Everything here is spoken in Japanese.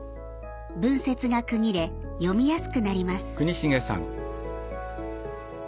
文節が区切れ読みやすくなります。